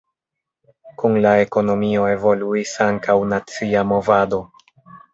Kun la ekonomio evoluis ankaŭ nacia movado.